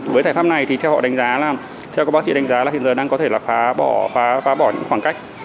với giải pháp này thì theo họ đánh giá là theo các bác sĩ đánh giá là hiện giờ đang có thể là phá bỏ những khoảng cách